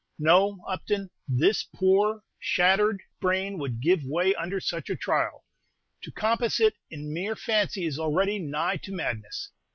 No, Upton; this poor shattered brain would give way under such a trial; to compass it in mere fancy is already nigh to madness!